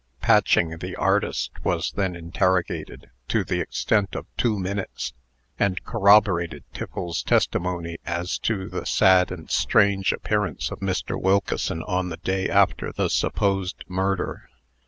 Patching, the artist, was then interrogated, to the extent of two minutes, and corroborated Tiffles's testimony as to the sad and strange appearance of Mr. Wilkeson on the day after the supposed murder.